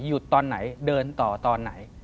ตอนไหนเดินต่อตอนไหน